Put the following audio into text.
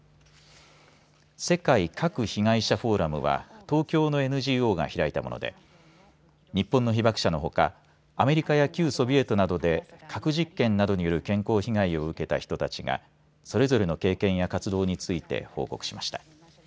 世界核被害者フォーラムは東京のＮＧＯが開いたもので日本の被爆者のほかアメリカや旧ソビエトなどで核実験などによる健康被害を受けた人たちがそれぞれの経験や活動について報告しました。